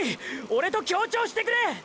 オレと協調してくれ！！